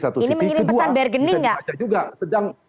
ini mengirim pesan bergeni gak